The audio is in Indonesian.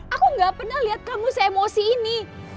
aku ga pernah liat kamu se emosi ini